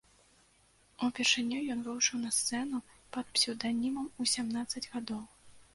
Упершыню ён выйшаў на сцэну пад псеўданімам у сямнаццаць гадоў.